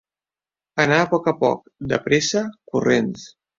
Anar a poc a poc, de pressa, corrents.